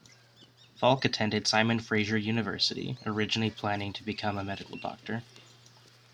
Falk attended Simon Fraser University, originally planning to become a medical doctor.